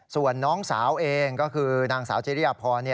ส่วนน้องสาวเองก็คือนางสาวจิริยพร